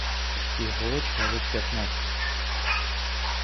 Їх було чоловік п'ятнадцять.